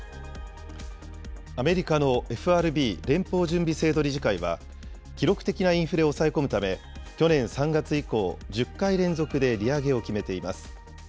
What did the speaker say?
アメリカのＦＲＢ・連邦準備制度理事会は、記録的なインフレを抑え込むため、去年３月以降、１０回連続で利上げを決めています。